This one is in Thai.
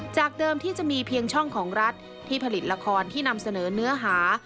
จากเดิมที่จะมีเพียงช่องของรัฐที่ผลิตละครที่นำเสนอเนื้อหา